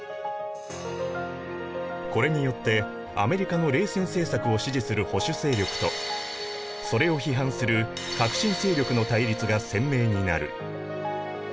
これによってアメリカの冷戦政策を支持する保守勢力とそれを批判する革新勢力の対立が鮮明になる。